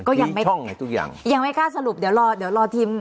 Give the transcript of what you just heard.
ก็ยังไม่ท่องไงทุกอย่างยังไม่กล้าสรุปเดี๋ยวรอเดี๋ยวรอทีม